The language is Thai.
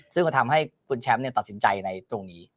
ซึ่งก็ทำให้คุณแชมป์ตัดสินใจในตรงนี้